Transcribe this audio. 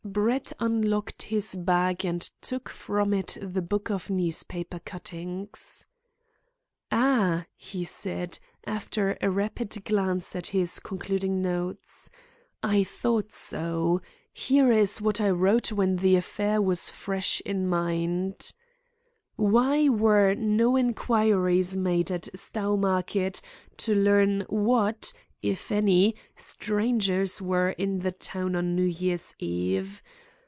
Brett unlocked his bag and took from it the book of newspaper cuttings. "Ah!" he said, after a rapid glance at his concluding notes. "I thought so. Here is what I wrote when the affair was fresh in my mind: "'Why were no inquiries made at Stowmarket to learn what, if any, strangers were in the town on New Year's Eve?